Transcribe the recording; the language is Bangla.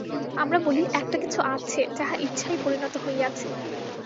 আমরা বলি, একটা কিছু আছে, যাহা ইচ্ছায় পরিণত হইয়াছে।